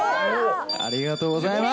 ありがとうございます。